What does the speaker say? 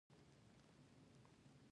خوړل د تازه شیانو اړتیا زیاتوي